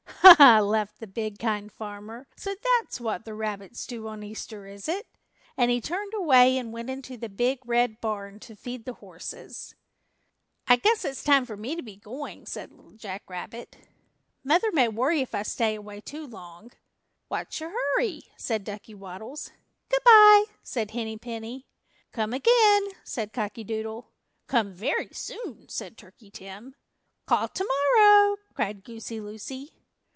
"Ha, ha," laughed the big Kind Farmer, "so that's what the rabbits do on Easter, is it?" and he turned away and went into the Big Red Barn to feed the horses. "I guess it's time for me to be going," said Little Jack Rabbit. "Mother may worry if I stay away too long!" "What's your hurry?" said Ducky Waddles. "Goodby," said Henny Penny. "Come again," said Cocky Doodle. "Come very soon," said Turkey Tim. "Call tomorrow," cried Goosey Lucy.